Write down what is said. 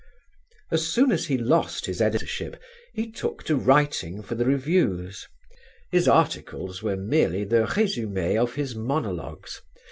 As soon as he lost his editorship he took to writing for the reviews; his articles were merely the résumé of his monologues.